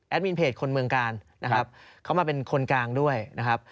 มินเพจคนเมืองกาลนะครับเขามาเป็นคนกลางด้วยนะครับ